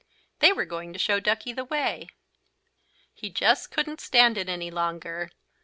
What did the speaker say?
They were going to show Duckie the way. He just couldn't stand it any longer.